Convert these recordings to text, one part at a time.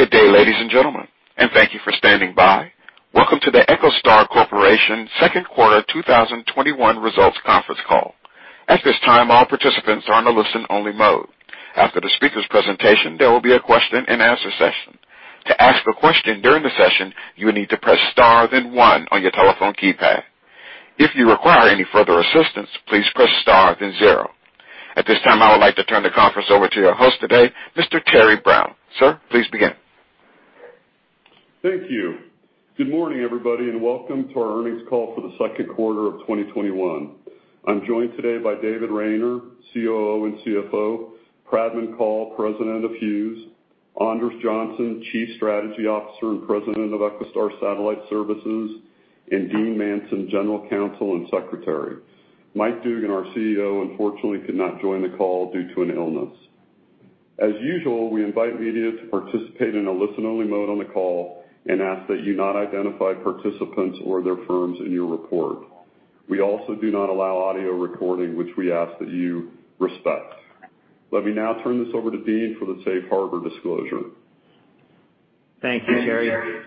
Good day, ladies and gentlemen, and thank you for standing by. Welcome to the EchoStar Corporation second quarter 2021 results conference call. At this time, I would like to turn the conference over to your host today, Mr. Terry Brown. Sir, please begin. Thank you. Good morning, everybody, and welcome to our earnings call for the second quarter of 2021. I'm joined today by David Rayner, COO and CFO, Pradman Kaul, President of Hughes, Anders Johnson, Chief Strategy Officer and President of EchoStar Satellite Services, and Dean Manson, General Counsel and Secretary. Mike Dugan, our CEO, unfortunately could not join the call due to an illness. As usual, we invite media to participate in a listen-only mode on the call and ask that you not identify participants or their firms in your report. We also do not allow audio recording, which we ask that you respect. Let me now turn this over to Dean for the safe harbor disclosure. Thank you, Terry.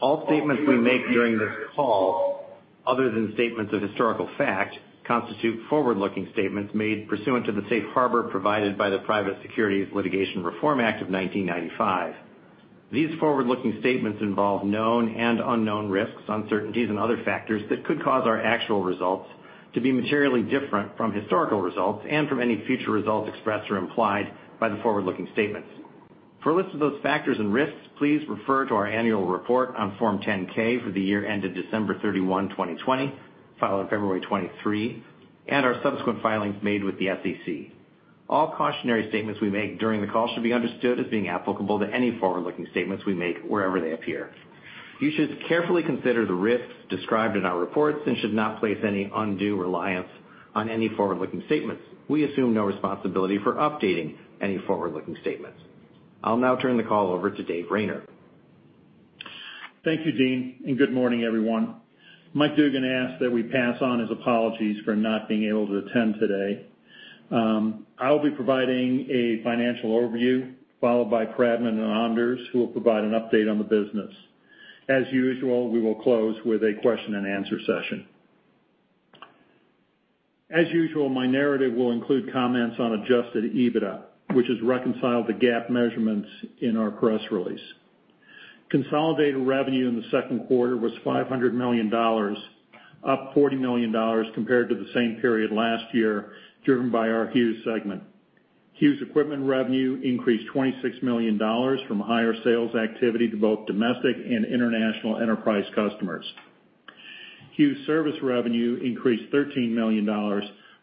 All statements we make during this call, other than statements of historical fact, constitute forward-looking statements made pursuant to the safe harbor provided by the Private Securities Litigation Reform Act of 1995. These forward-looking statements involve known and unknown risks, uncertainties, and other factors that could cause our actual results to be materially different from historical results and from any future results expressed or implied by the forward-looking statements. For a list of those factors and risks, please refer to our annual report on Form 10-K for the year ended December 31, 2020, filed on February 23, and our subsequent filings made with the SEC. All cautionary statements we make during the call should be understood as being applicable to any forward-looking statements we make wherever they appear. You should carefully consider the risks described in our reports and should not place any undue reliance on any forward-looking statements. We assume no responsibility for updating any forward-looking statements. I'll now turn the call over to David Rayner. Thank you, Dean. Good morning, everyone. Mike Dugan asked that we pass on his apologies for not being able to attend today. I will be providing a financial overview followed by Pradman and Anders, who will provide an update on the business. As usual, we will close with a question-and-answer session. As usual, my narrative will include comments on adjusted EBITDA, which is reconciled to GAAP measurements in our press release. Consolidated revenue in the second quarter was $500 million, up $40 million compared to the same period last year, driven by our Hughes segment. Hughes equipment revenue increased $26 million from higher sales activity to both domestic and international enterprise customers. Hughes service revenue increased $13 million,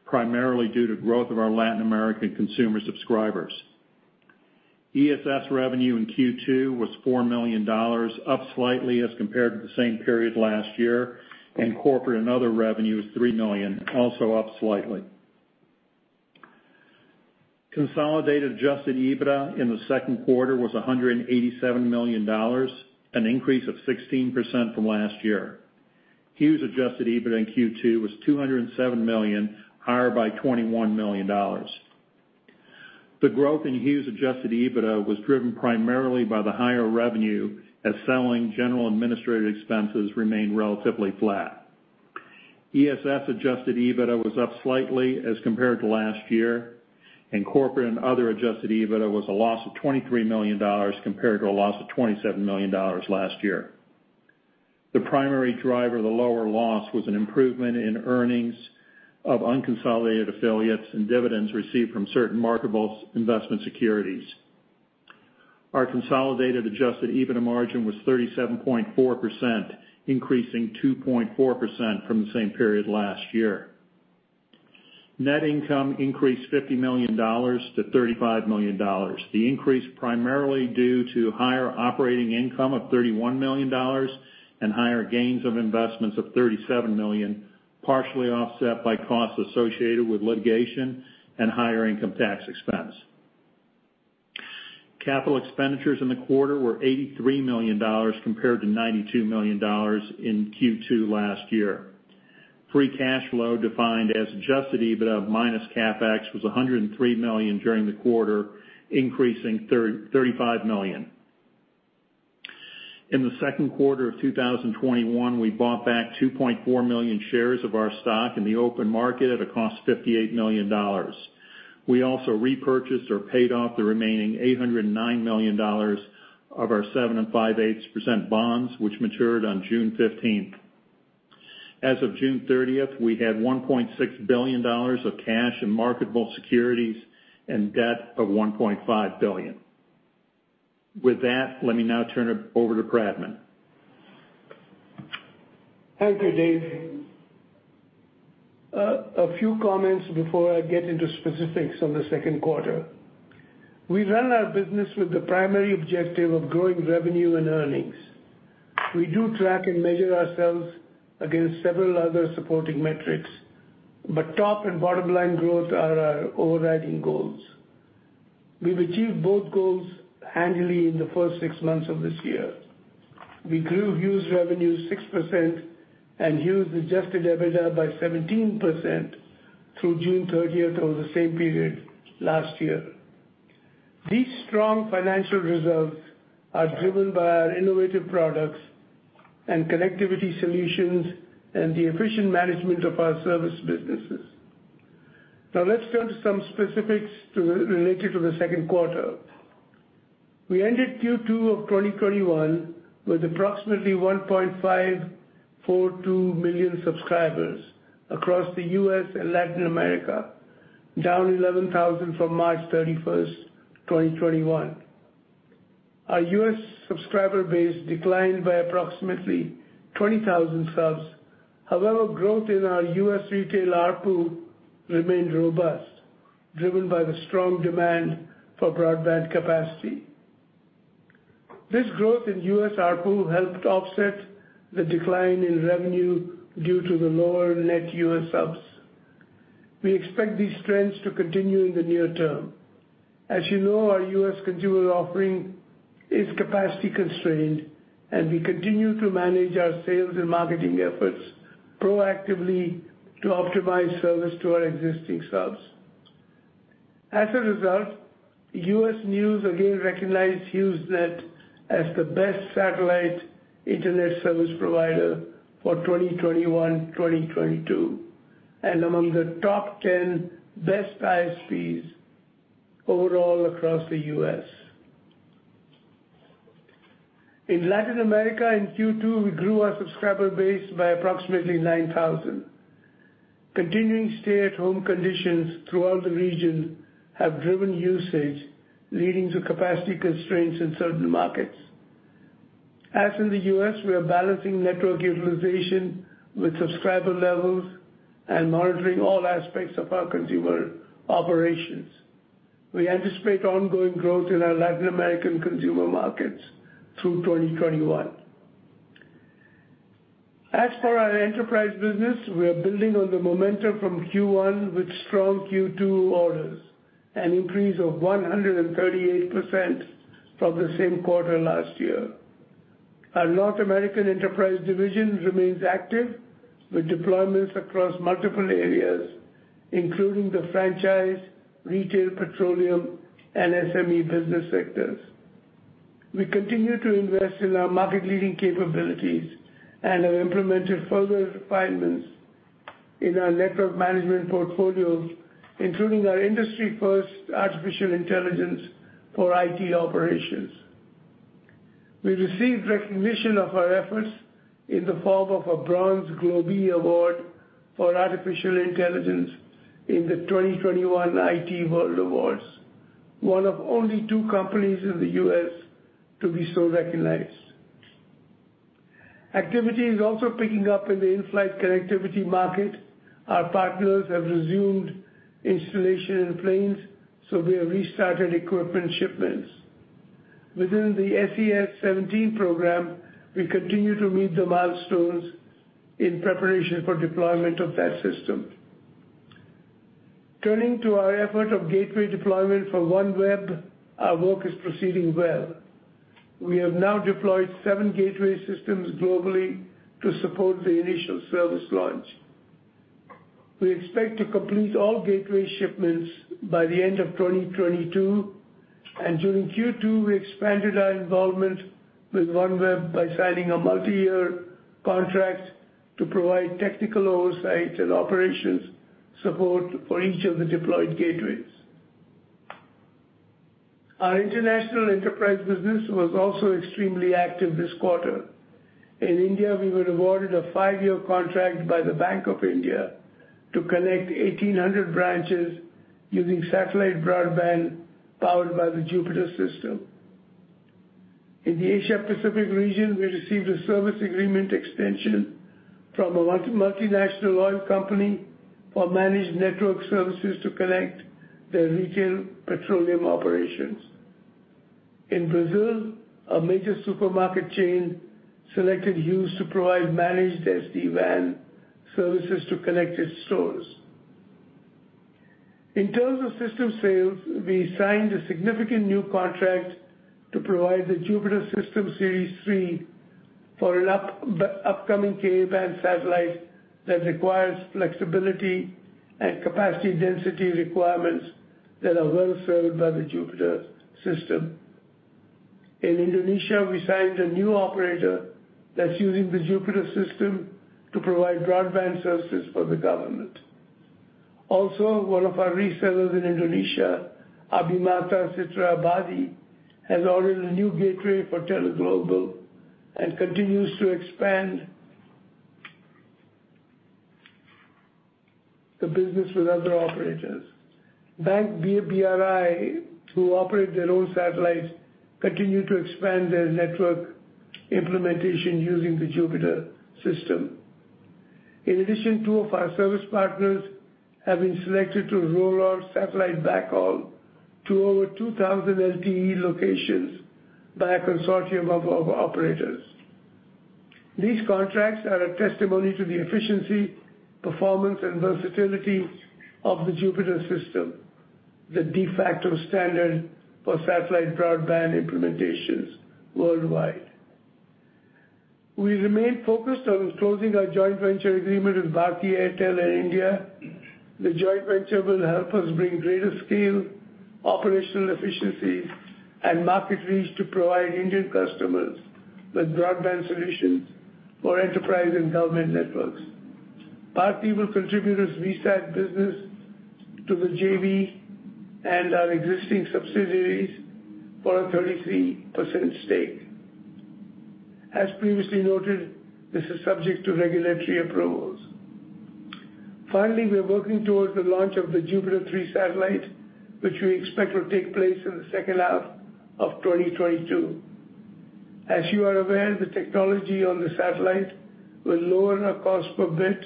primarily due to growth of our Latin American consumer subscribers. ESS revenue in Q2 was $4 million, up slightly as compared to the same period last year, and corporate and other revenue was $3 million, also up slightly. Consolidated adjusted EBITDA in the second quarter was $187 million, an increase of 16% from last year. Hughes adjusted EBITDA in Q2 was $207 million, higher by $21 million. The growth in Hughes adjusted EBITDA was driven primarily by the higher revenue as selling, general, and administrative expenses remained relatively flat. ESS adjusted EBITDA was up slightly as compared to last year, and corporate and other adjusted EBITDA was a loss of $23 million compared to a loss of $27 million last year. The primary driver of the lower loss was an improvement in earnings of unconsolidated affiliates and dividends received from certain marketable investment securities. Our consolidated adjusted EBITDA margin was 37.4%, increasing 2.4% from the same period last year. Net income increased $50 million-$35 million. The increase primarily due to higher operating income of $31 million and higher gains of investments of $37 million, partially offset by costs associated with litigation and higher income tax expense. Capital expenditures in the quarter were $83 million compared to $92 million in Q2 last year. Free cash flow, defined as adjusted EBITDA minus CapEx, was $103 million during the quarter, increasing $35 million. In the second quarter of 2021, we bought back 2.4 million shares of our stock in the open market at a cost of $58 million. We also repurchased or paid off the remaining $809 million of our 7.625% bonds, which matured on June 15th. As of June 30th, we had $1.6 billion of cash in marketable securities and debt of $1.5 billion. With that, let me now turn it over to Pradman. Thank you, Dave. A few comments before I get into specifics on the second quarter. We run our business with the primary objective of growing revenue and earnings. We do track and measure ourselves against several other supporting metrics, but top and bottom line growth are our overriding goals. We've achieved both goals annually in the first six months of this year. We grew Hughes revenue 6% and Hughes adjusted EBITDA by 17% through June 30th over the same period last year. These strong financial results are driven by our innovative products and connectivity solutions and the efficient management of our service businesses. Let's turn to some specifics related to the second quarter. We ended Q2 of 2021 with approximately 1.542 million subscribers across the U.S. and Latin America, down 11,000 from March 31st, 2021. Our U.S. subscriber base declined by approximately 20,000 subs. Growth in our U.S. retail ARPU remained robust, driven by the strong demand for broadband capacity. This growth in U.S. ARPU helped offset the decline in revenue due to the lower net U.S. subs. We expect these trends to continue in the near term. As you know, our U.S. consumer offering is capacity constrained, and we continue to manage our sales and marketing efforts proactively to optimize service to our existing subs. U.S. News again recognized HughesNet as the best satellite internet service provider for 2021-2022, and among the top 10 best ISPs overall across the U.S. In Latin America in Q2, we grew our subscriber base by approximately 9,000. Continuing stay-at-home conditions throughout the region have driven usage, leading to capacity constraints in certain markets. As in the U.S., we are balancing network utilization with subscriber levels and monitoring all aspects of our consumer operations. We anticipate ongoing growth in our Latin American consumer markets through 2021. As for our enterprise business, we are building on the momentum from Q1 with strong Q2 orders, an increase of 138% from the same quarter last year. Our North American enterprise division remains active with deployments across multiple areas, including the franchise, retail, petroleum, and SME business sectors. We continue to invest in our market-leading capabilities and have implemented further refinements in our network management portfolios, including our industry first artificial intelligence for IT operations. We received recognition of our efforts in the form of a Bronze Globee Award for artificial intelligence in the 2021 IT World Awards, one of only two companies in the U.S. to be so recognized. Activity is also picking up in the in-flight connectivity market. Our partners have resumed installation in planes. We have restarted equipment shipments. Within the SES-17 program, we continue to meet the milestones in preparation for deployment of that system. Turning to our effort of gateway deployment for OneWeb, our work is proceeding well. We have now deployed seven gateway systems globally to support the initial service launch. We expect to complete all gateway shipments by the end of 2022. During Q2, we expanded our involvement with OneWeb by signing a multi-year contract to provide technical oversight and operations support for each of the deployed gateways. Our international enterprise business was also extremely active this quarter. In India, we were awarded a five-year contract by the Bank of India to connect 1,800 branches using satellite broadband powered by the JUPITER system. In the Asia Pacific region, we received a service agreement extension from a multinational oil company for managed network services to connect their retail petroleum operations. In Brazil, a major supermarket chain selected Hughes to provide managed SD-WAN services to connect its stores. In terms of system sales, we signed a significant new contract to provide the JUPITER System Series 3 for an upcoming Ka-band satellite that requires flexibility and capacity density requirements that are well served by the JUPITER system. In Indonesia, we signed a new operator that's using the JUPITER system to provide broadband services for the government. Also, one of our resellers in Indonesia, Abhimata Citra Abadi, has ordered a new gateway for Teleglobal and continues to expand the business with other operators. Bank BRI, who operate their own satellites, continue to expand their network implementation using the JUPITER system. In addition, two of our service partners have been selected to roll out satellite backhaul to over 2,000 LTE locations by a consortium of mobile operators. These contracts are a testimony to the efficiency, performance, and versatility of the JUPITER system, the de facto standard for satellite broadband implementations worldwide. We remain focused on closing our joint venture agreement with Bharti Airtel in India. The joint venture will help us bring greater scale, operational efficiency, and market reach to provide Indian customers with broadband solutions for enterprise and government networks. Bharti will contribute its V-SAT business to the JV and our existing subsidiaries for a 33% stake. As previously noted, this is subject to regulatory approvals. Finally, we are working towards the launch of the JUPITER 3 satellite, which we expect will take place in the second half of 2022. As you are aware, the technology on the satellite will lower our cost per bit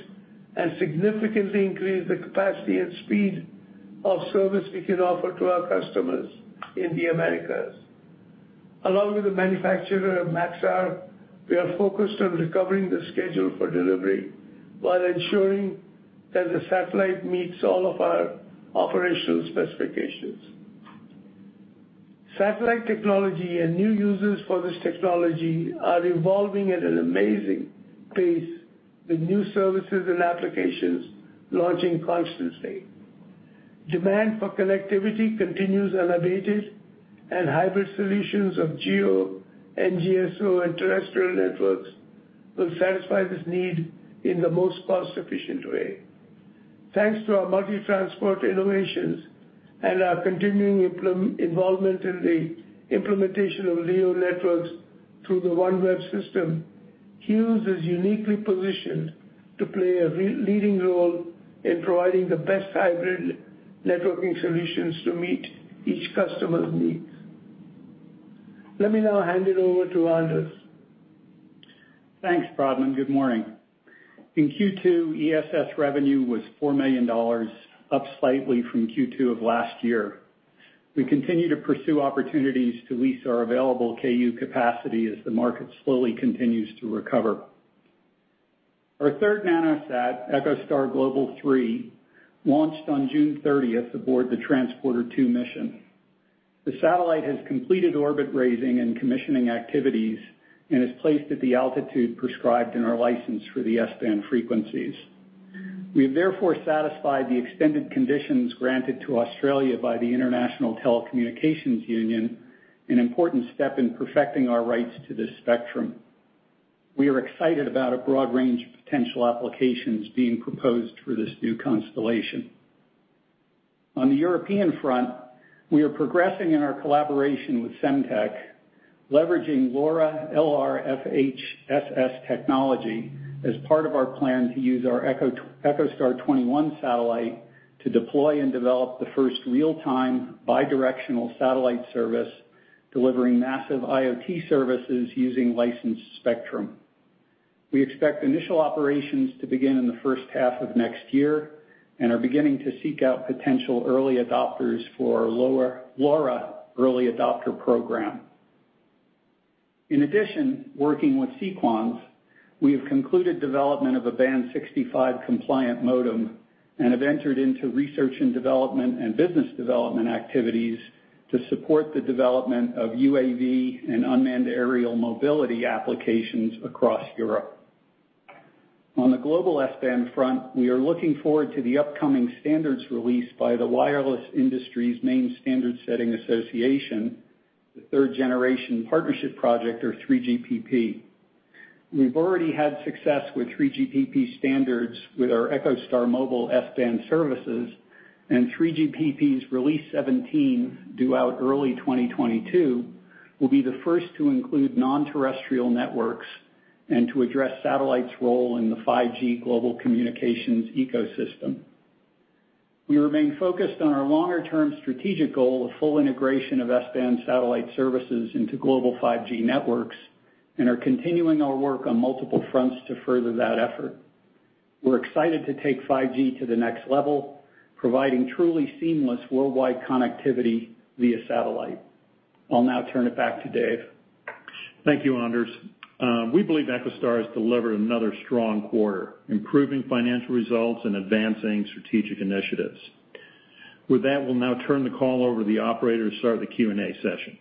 and significantly increase the capacity and speed of service we can offer to our customers in the Americas. Along with the manufacturer, Maxar, we are focused on recovering the schedule for delivery while ensuring that the satellite meets all of our operational specifications. Satellite technology and new uses for this technology are evolving at an amazing pace, with new services and applications launching constantly. Demand for connectivity continues elevated, and hybrid solutions of GEO, NGSO, and terrestrial networks will satisfy this need in the most cost-efficient way. Thanks to our multi-transport innovations and our continuing involvement in the implementation of LEO networks through the OneWeb system, Hughes is uniquely positioned to play a leading role in providing the best hybrid networking solutions to meet each customer's needs. Let me now hand it over to Anders. Thanks, Pradman. Good morning. In Q2, ESS revenue was $4 million, up slightly from Q2 of last year. We continue to pursue opportunities to lease our available Ku capacity as the market slowly continues to recover. Our third nanosat, EchoStar Global 3, launched on June 30th aboard the Transporter-2 mission. The satellite has completed orbit raising and commissioning activities and is placed at the altitude prescribed in our license for the S-band frequencies. We have therefore satisfied the extended conditions granted to Australia by the International Telecommunication Union, an important step in perfecting our rights to this spectrum. We are excited about a broad range of potential applications being proposed for this new constellation. On the European front, we are progressing in our collaboration with Semtech, leveraging LoRa, LR-FHSS technology as part of our plan to use our EchoStar 21 satellite to deploy and develop the first real-time bi-directional satellite service delivering massive IoT services using licensed spectrum. We expect initial operations to begin in the first half of next year and are beginning to seek out potential early adopters for our LoRa early adopter program. In addition, working with Sequans, we have concluded development of a Band 65 compliant modem and have entered into research and development and business development activities to support the development of UAV and unmanned aerial mobility applications across Europe. On the global S-band front, we are looking forward to the upcoming standards released by the wireless industry's main standard-setting association, the Third Generation Partnership Project, or 3GPP. We've already had success with 3GPP standards with our EchoStar Mobile S-band services, and 3GPP's Release 17, due out early 2022, will be the first to include non-terrestrial networks and to address satellites' role in the 5G global communications ecosystem. We remain focused on our longer-term strategic goal of full integration of S-band satellite services into global 5G networks and are continuing our work on multiple fronts to further that effort. We're excited to take 5G to the next level, providing truly seamless worldwide connectivity via satellite. I'll now turn it back to Dave. Thank you, Anders. We believe EchoStar has delivered another strong quarter, improving financial results and advancing strategic initiatives. With that, we will now turn the call over to the operator to start the Q&A session.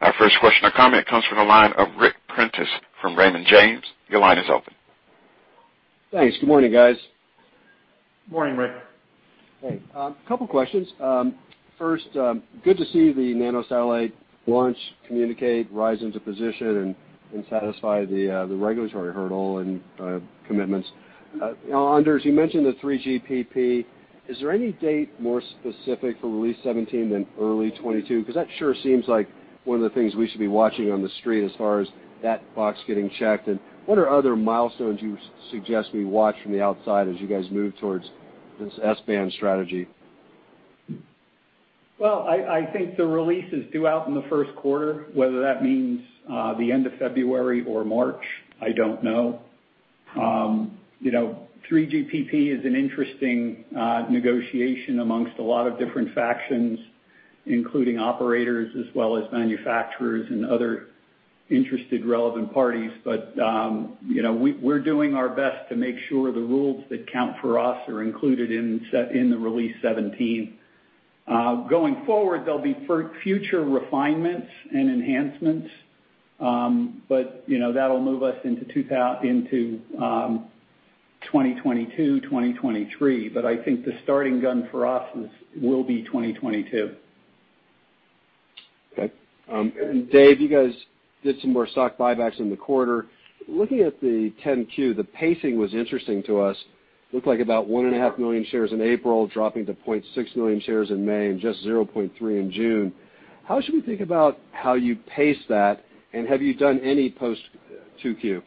Our first question or comment comes from the line of Ric Prentiss from Raymond James. Your line is open. Thanks. Good morning, guys. Morning, Ric. Hey. Couple questions. First, good to see the nanosatellite launch, communicate, rise into position, and satisfy the regulatory hurdle and commitments. Anders, you mentioned the 3GPP. Is there any date more specific for Release 17 than early 2022? That sure seems like one of the things we should be watching on the street as far as that box getting checked. What are other milestones you suggest we watch from the outside as you guys move towards this S-band strategy? Well, I think the release is due out in the first quarter, whether that means the end of February or March, I don't know. 3GPP is an interesting negotiation amongst a lot of different factions, including operators as well as manufacturers and other interested relevant parties. We're doing our best to make sure the rules that count for us are included in the Release 17. Going forward, there'll be future refinements and enhancements, but that'll move us into 2022, 2023. I think the starting gun for us will be 2022. Okay. Dave, you guys did some more stock buybacks in the quarter. Looking at the 10-Q, the pacing was interesting to us. Looked like about 1.5 million shares in April, dropping to 0.6 million shares in May, and just 0.3 in June. How should we think about how you pace that, and have you done any post 2Q?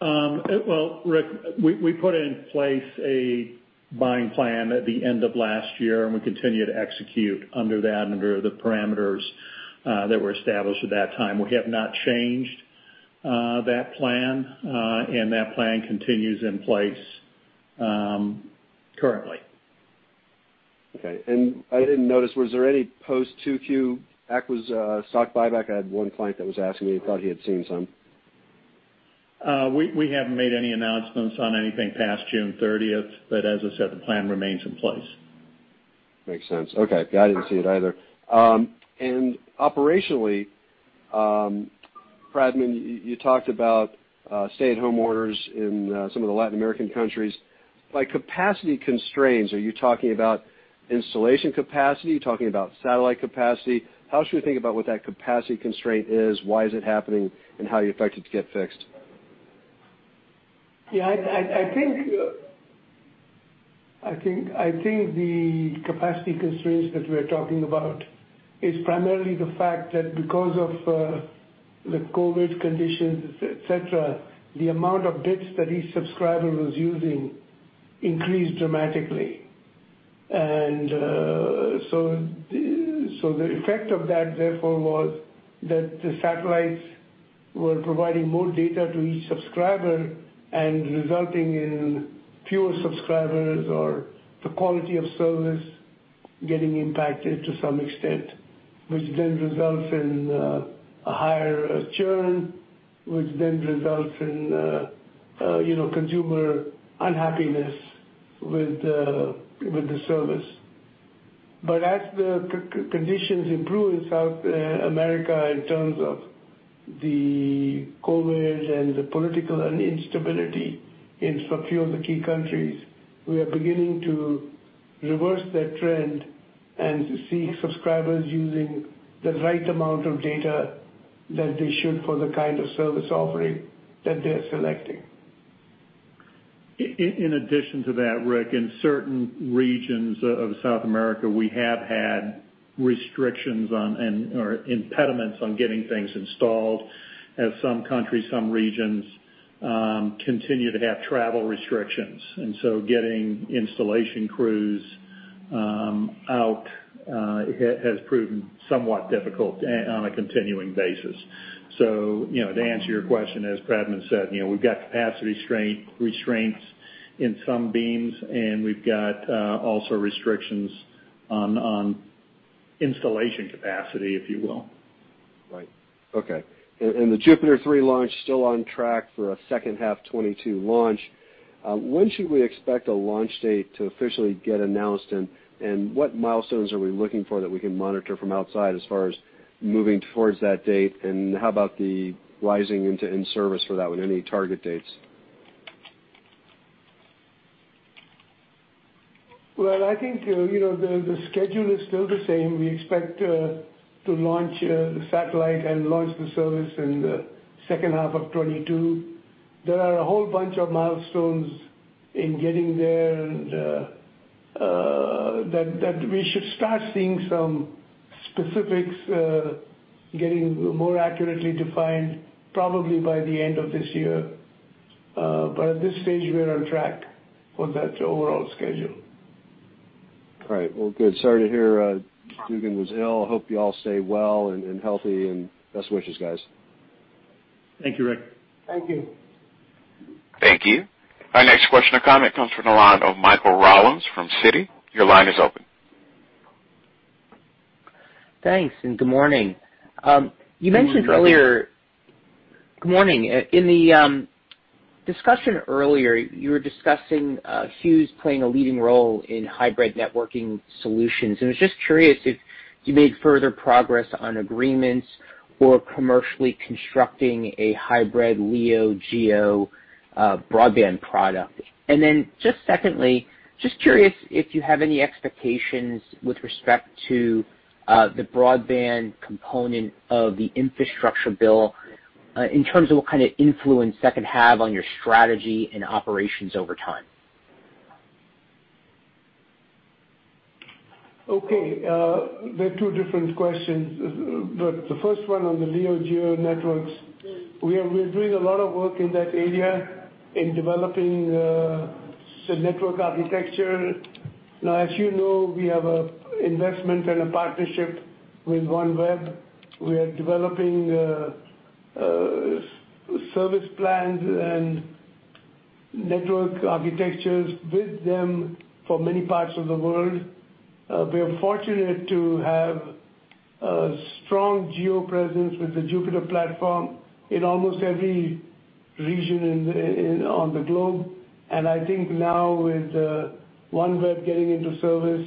Well, Ric, we put in place a buying plan at the end of last year, and we continue to execute under that, under the parameters that were established at that time. We have not changed that plan, and that plan continues in place currently. Okay. I didn't notice, was there any post 2Q EchoStar stock buyback? I had one client that was asking me. He thought he had seen some. We haven't made any announcements on anything past June 30th. As I said, the plan remains in place. Makes sense. Okay. I didn't see it either. Operationally, Pradman, you talked about stay-at-home orders in some of the Latin American countries. By capacity constraints, are you talking about installation capacity? Are you talking about satellite capacity? How should we think about what that capacity constraint is? Why is it happening, and how are you affected to get fixed? Yeah. I think the capacity constraints that we're talking about is primarily the fact that because of the COVID conditions, et cetera, the amount of bits that each subscriber was using increased dramatically. The effect of that therefore was that the satellites were providing more data to each subscriber and resulting in fewer subscribers or the quality of service getting impacted to some extent, which then results in a higher churn, which then results in consumer unhappiness with the service. As the conditions improve in South America in terms of the COVID and the political instability in a few of the key countries, we are beginning to reverse that trend and see subscribers using the right amount of data that they should for the kind of service offering that they're selecting. In addition to that, Ric, in certain regions of South America, we have had restrictions or impediments on getting things installed as some countries, some regions, continue to have travel restrictions. Getting installation crews out has proven somewhat difficult on a continuing basis. To answer your question, as Pradman said, we've got capacity restraints in some beams, and we've got also restrictions on installation capacity, if you will. Right. Okay. The JUPITER 3 launch still on track for a second half 2022 launch. When should we expect a launch date to officially get announced, and what milestones are we looking for that we can monitor from outside as far as moving towards that date? How about the rising into in-service for that one? Any target dates? Well, I think the schedule is still the same. We expect to launch the satellite and launch the service in the second half of 2022. There are a whole bunch of milestones in getting there, and that we should start seeing some specifics getting more accurately defined probably by the end of this year. At this stage, we are on track for that overall schedule. All right. Well, good. Sorry to hear Dugan was ill. Hope you all stay well and healthy and best wishes, guys. Thank you, Ric. Thank you. Thank you. Our next question or comment comes from the line of Michael Rollins from Citi. Your line is open. Thanks, and good morning. Good morning. Good morning. In the discussion earlier, you were discussing Hughes playing a leading role in hybrid networking solutions. I was just curious if you made further progress on agreements or commercially constructing a hybrid LEO GEO broadband product. Secondly, just curious if you have any expectations with respect to the broadband component of the infrastructure bill in terms of what kind of influence that could have on your strategy and operations over time. Okay. They're two different questions. The first one on the LEO GEO networks, we are doing a lot of work in that area in developing the network architecture. As you know, we have an investment and a partnership with OneWeb. We are developing service plans and network architectures with them for many parts of the world. We are fortunate to have a strong GEO presence with the JUPITER platform in almost every region on the globe. I think now with OneWeb getting into service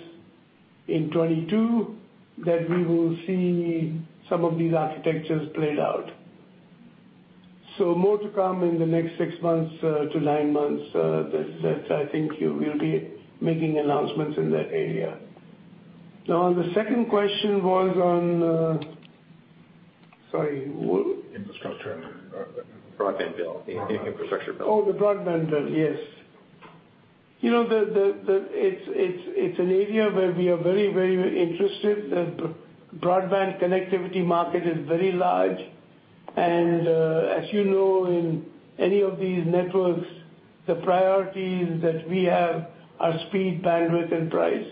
in 2022, that we will see some of these architectures played out. More to come in the next six months-nine months, that I think we'll be making announcements in that area. On the second question was on, sorry, what? Infrastructure. Broadband bill. The infrastructure bill. Oh, the broadband bill. Yes. It's an area where we are very interested. As you know, in any of these networks, the priorities that we have are speed, bandwidth, and price.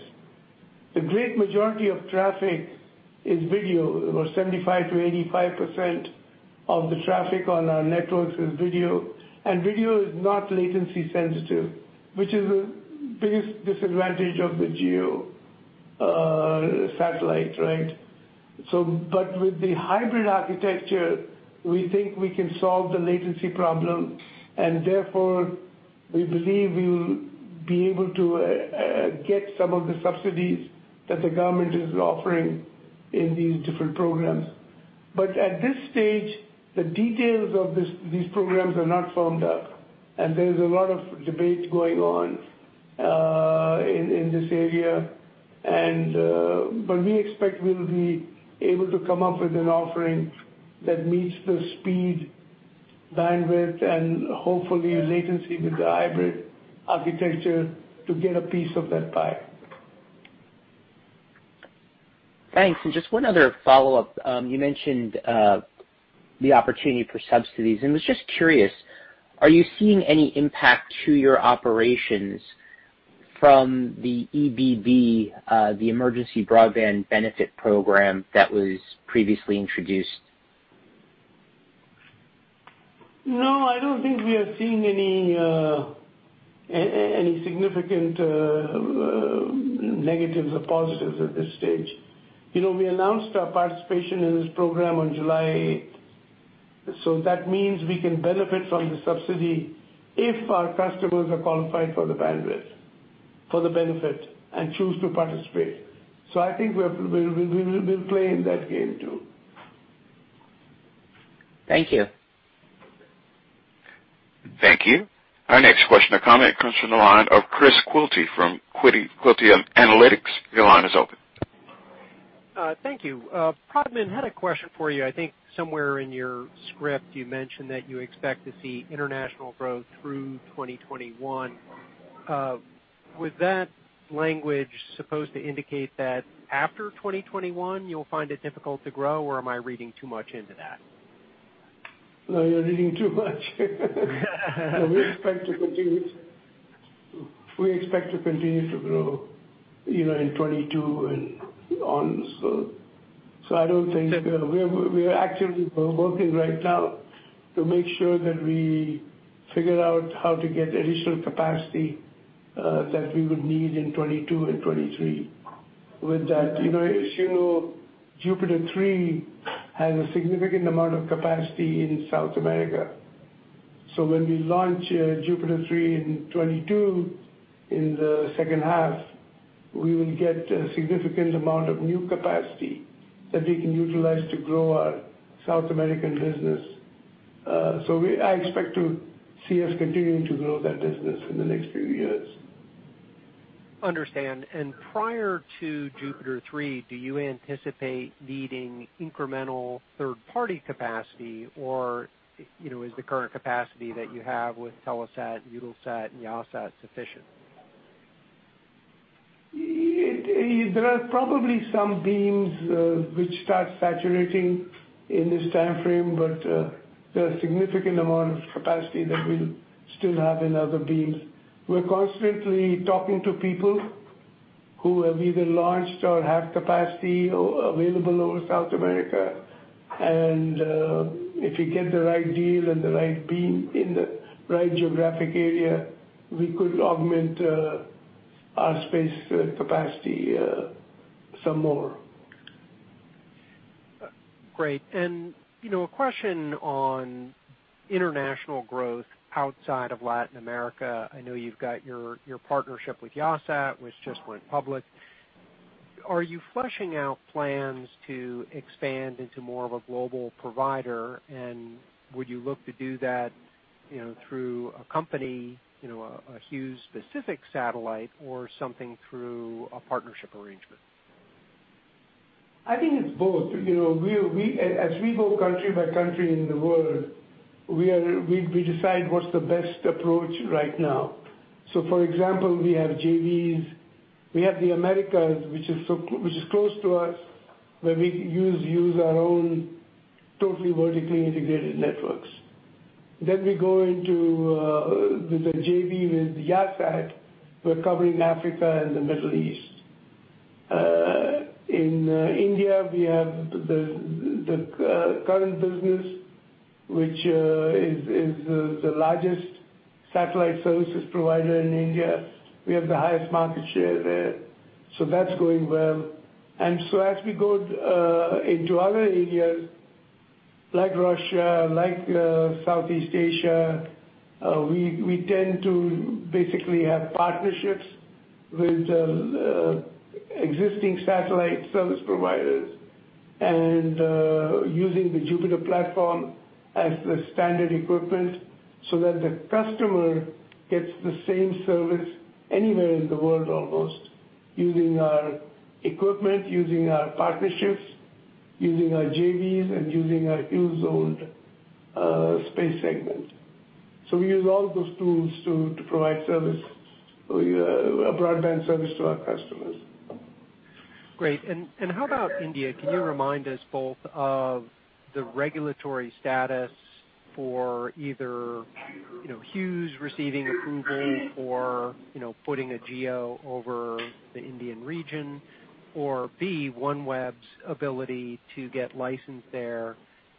The great majority of traffic is video. About 75%-85% of the traffic on our networks is video. Video is not latency sensitive, which is the biggest disadvantage of the GEO satellite, right? With the hybrid architecture, we think we can solve the latency problem, and therefore, we believe we'll be able to get some of the subsidies that the government is offering in these different programs. At this stage, the details of these programs are not firmed up, and there's a lot of debate going on in this area. We expect we'll be able to come up with an offering that meets the speed, bandwidth, and hopefully latency with the hybrid architecture to get a piece of that pie. Thanks. Just one other follow-up. You mentioned the opportunity for subsidies, and was just curious, are you seeing any impact to your operations from the EBB, the Emergency Broadband Benefit program that was previously introduced? No, I don't think we are seeing any significant negatives or positives at this stage. We announced our participation in this program on July 8th. That means we can benefit from the subsidy if our customers are qualified for the bandwidth, for the benefit, and choose to participate. I think we'll play in that game, too. Thank you. Thank you. Our next question or comment comes from the line of Chris Quilty from Quilty Analytics. Your line is open. Thank you. Pradman, had a question for you. I think somewhere in your script, you mentioned that you expect to see international growth through 2021. Was that language supposed to indicate that after 2021, you'll find it difficult to grow, or am I reading too much into that? No, you're reading too much. We expect to continue to grow in 2022 and onwards. I don't think, we are actively working right now to make sure that we figure out how to get additional capacity that we would need in 2022 and 2023. With that, as you know, JUPITER 3 has a significant amount of capacity in South America. When we launch JUPITER 3 in 2022, in the second half, we will get a significant amount of new capacity that we can utilize to grow our South American business. I expect to see us continuing to grow that business in the next few years. Understand. Prior to JUPITER 3, do you anticipate needing incremental third-party capacity, or is the current capacity that you have with Telesat, Eutelsat, and Yahsat sufficient? There are probably some beams which start saturating in this timeframe. There are a significant amount of capacity that we'll still have in other beams. We're constantly talking to people who have either launched or have capacity available over South America. If we get the right deal and the right beam in the right geographic area, we could augment our space capacity some more. Great. A question on international growth outside of Latin America. I know you've got your partnership with Yahsat, which just went public. Are you fleshing out plans to expand into more of a global provider, and would you look to do that through a company, a Hughes specific satellite or something through a partnership arrangement? I think it's both. As we go country by country in the world, we decide what's the best approach right now. For example, we have JVs. We have the Americas, which is close to us, where we use our own totally vertically integrated networks. We go into the JV with Yahsat. We're covering Africa and the Middle East. In India, we have the current business, which is the largest satellite services provider in India. We have the highest market share there, so that's going well. As we go into other areas like Russia, like Southeast Asia, we tend to basically have partnerships with existing satellite service providers, and using the JUPITER platform as the standard equipment so that the customer gets the same service anywhere in the world almost, using our equipment, using our partnerships, using our JVs, and using our Hughes-owned space segment. We use all those tools to provide service, a broadband service to our customers. Great. How about India? Can you remind us both of the regulatory status for either Hughes receiving approval for putting a GEO over the Indian region, or B, OneWeb's ability to get licensed there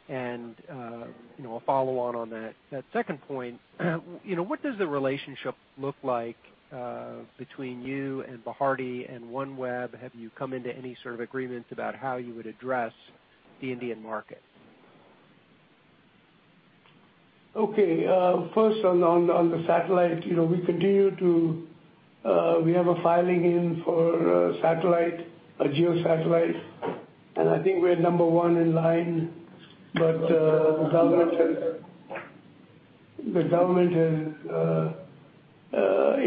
and a follow on on that second point. What does the relationship look like between you and Bharti and OneWeb? Have you come into any sort of agreements about how you would address the Indian market? First on the satellite, we have a filing in for a satellite, a GEO satellite, and I think we're number one in line. The government has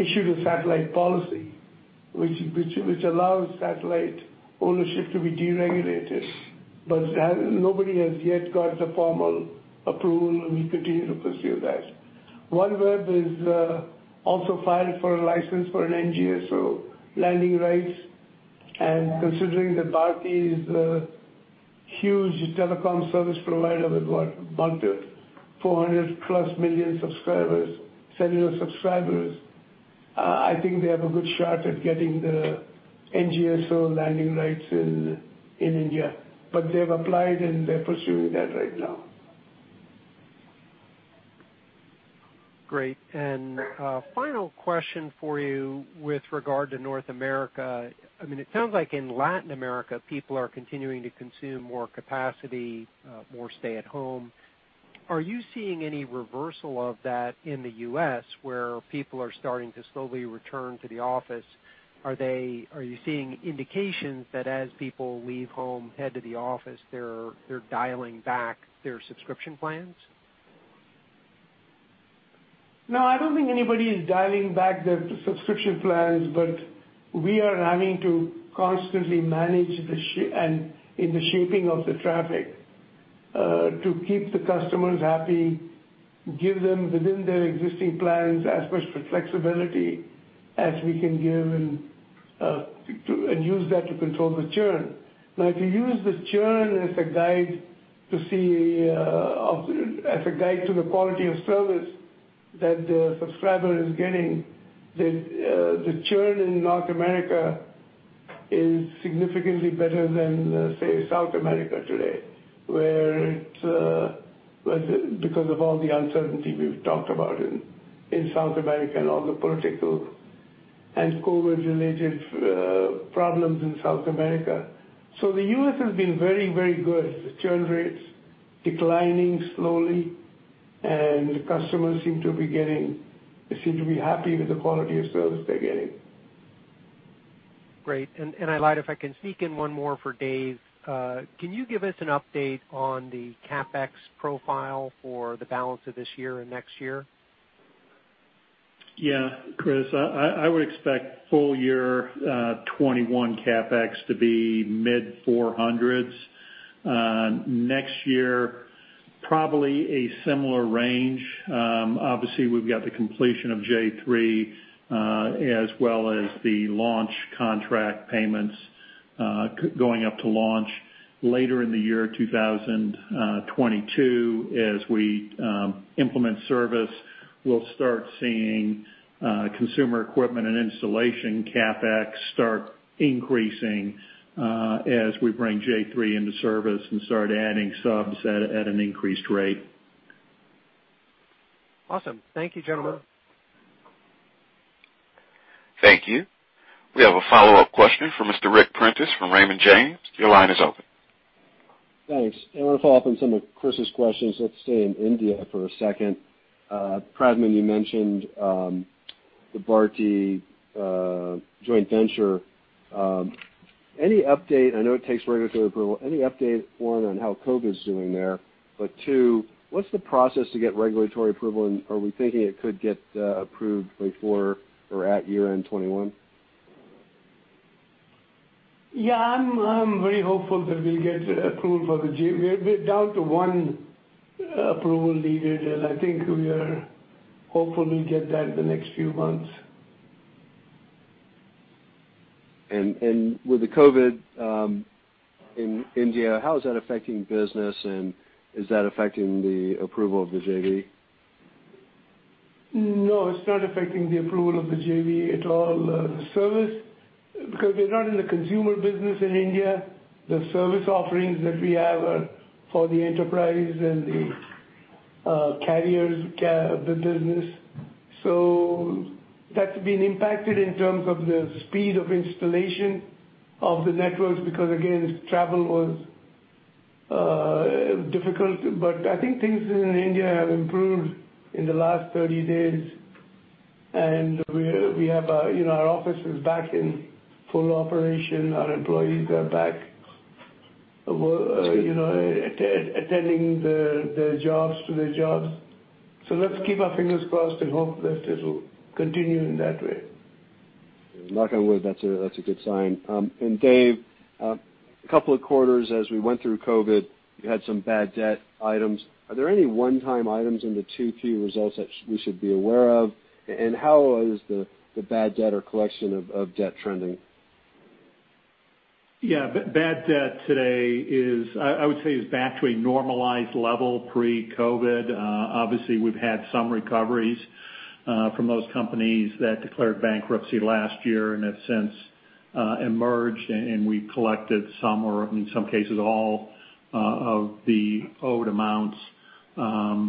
issued a satellite policy which allows satellite ownership to be deregulated, but nobody has yet got the formal approval, and we continue to pursue that. OneWeb has also filed for a license for an NGSO landing rights, and considering that Bharti is a huge telecom service provider with what, 400+ million subscribers, cellular subscribers, I think they have a good shot at getting the NGSO landing rights in India. They've applied, and they're pursuing that right now. Great. A final question for you with regard to North America. It sounds like in Latin America, people are continuing to consume more capacity, more stay at home. Are you seeing any reversal of that in the U.S. where people are starting to slowly return to the office? Are you seeing indications that as people leave home, head to the office, they're dialing back their subscription plans? No, I don't think anybody is dialing back their subscription plans. We are having to constantly manage in the shaping of the traffic, to keep the customers happy, give them within their existing plans as much flexibility as we can give, and use that to control the churn. Now, if you use the churn as a guide to the quality of service that the subscriber is getting, the churn in North America is significantly better than, say, South America today, because of all the uncertainty we've talked about in South America and all the political and COVID-related problems in South America. The U.S. has been very good. The churn rate's declining slowly, and the customers seem to be happy with the quality of service they're getting. Great. And, if I can sneak in one more for Dave. Can you give us an update on the CapEx profile for the balance of this year and next year? Yeah, Chris. I would expect full year 2021 CapEx to be mid $400s. Next year, probably a similar range. Obviously, we've got the completion of J3, as well as the launch contract payments, going up to launch later in the year 2022. As we implement service, we'll start seeing consumer equipment and installation CapEx start increasing as we bring J3 into service and start adding subs at an increased rate. Awesome. Thank you, gentlemen. Thank you. We have a follow-up question from Mr. Ric Prentiss from Raymond James. Your line is open. Thanks. I want to follow up on some of Chris's questions. Let's stay in India for a second. Pradman, you mentioned the Bharti joint venture. I know it takes regulatory approval. Any update for them on how COVID is doing there? Two, what's the process to get regulatory approval, and are we thinking it could get approved before or at year-end 2021? I'm very hopeful that we'll get approval for the JV. We're down to one approval needed, and I think we are hopeful we'll get that in the next few months. With the COVID in India, how is that affecting business, and is that affecting the approval of the JV? It's not affecting the approval of the JV at all. We're not in the consumer business in India, the service offerings that we have are for the enterprise and the carriers, the business. That's been impacted in terms of the speed of installation of the networks, because again, travel was difficult. I think things in India have improved in the last 30 days, and we have our offices back in full operation. Our employees are back attending their jobs, to their jobs. Let's keep our fingers crossed and hope that it'll continue in that way. Knock on wood, that's a good sign. Dave, a couple of quarters as we went through COVID, you had some bad debt items. Are there any one-time items in the 2Q results that we should be aware of? How is the bad debt or collection of debt trending? Bad debt today is, I would say, is back to a normalized level pre-COVID. Obviously, we've had some recoveries from those companies that declared bankruptcy last year and have since emerged, and we collected some or in some cases, all of the owed amounts. I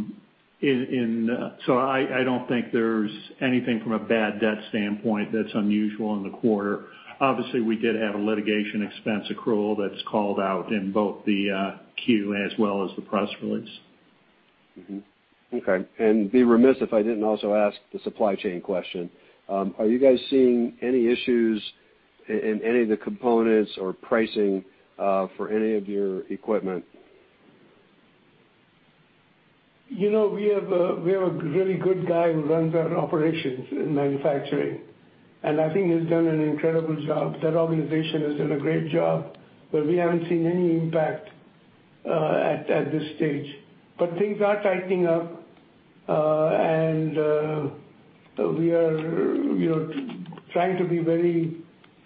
don't think there's anything from a bad debt standpoint that's unusual in the quarter. Obviously, we did have a litigation expense accrual that's called out in both the 10-Q as well as the press release. Mm-hmm. Okay. I'd be remiss if I didn't also ask the supply chain question. Are you guys seeing any issues in any of the components or pricing for any of your equipment? We have a really good guy who runs our operations in manufacturing, and I think he's done an incredible job. That organization has done a great job, where we haven't seen any impact at this stage. Things are tightening up, and we are trying to be very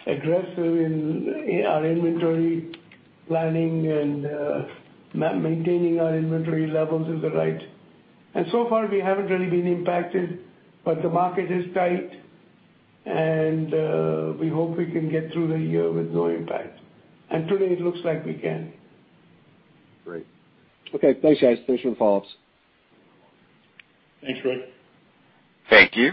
aggressive in our inventory planning and maintaining our inventory levels is right. So far we haven't really been impacted, but the market is tight, and we hope we can get through the year with no impact. Today it looks like we can. Great. Okay, thanks, guys. Thanks for the follow-ups. Thanks, Ric. Thank you.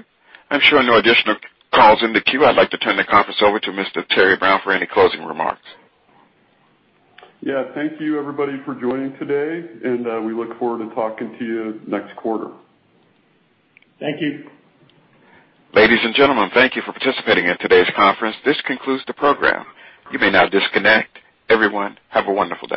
I'm showing no additional calls in the queue. I'd like to turn the conference over to Mr. Terry Brown for any closing remarks. Yeah. Thank you everybody for joining today, and we look forward to talking to you next quarter. Thank you. Ladies and gentlemen, thank you for participating in today's conference. This concludes the program. You may now disconnect. Everyone, have a wonderful day.